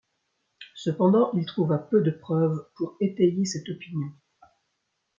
Cependant, il trouva peu de preuves pour étayer cette opinion.